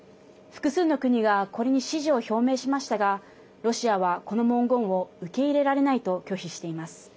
複数の国がこれに支持を表明しましたがロシアはこの文言を受け入れられないと拒否しています。